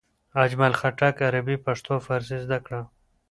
اجمل خټک عربي، پښتو او فارسي زده کړه.